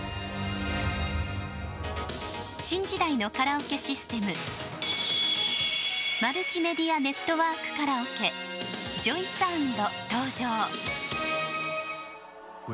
「新時代のカラオケシステムマルチメディアネットワークカラオケジョイサウンド登場」。